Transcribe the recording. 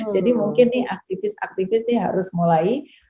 jadi mungkin nih aktivis aktivis nih harus mulai